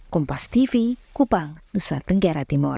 kompas tv kupang nusa tenggara timur